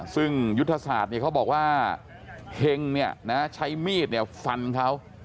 ซึ่งยุทธศาสตร์เขาบอกว่าเฮงใช้มีดฟันเขา